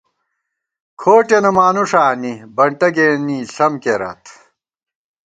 کھوٹِیَنہ مانُوݭہ آنی ، بنٹہ گېنی ݪم کېرات